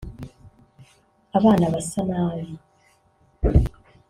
abana basa nabi